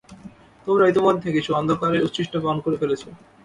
তোমরা ইতোমধ্যে কিছু অন্ধকারের উচ্ছিষ্ট পান করে ফেলেছো।